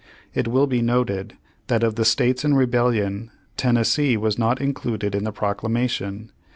It will be noted that of the states in rebellion, Tennessee was not included in the Proclamation.